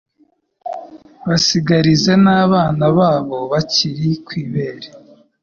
basigarize n’abana babo bakiri ku ibere